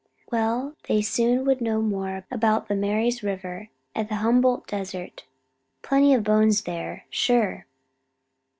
Well, they soon would know more about the Mary's River and the Humboldt Desert. Plenty of bones, there, sure!